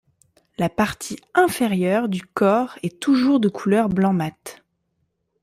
La partie inférieure du corps est toujours de couleur blanc-mat.